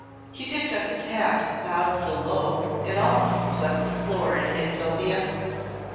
He picked up his hat and bowed so low that it almost swept the floor in his obeisance.